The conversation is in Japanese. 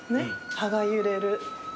葉が揺れる。